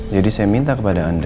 jadi saya minta kepada anda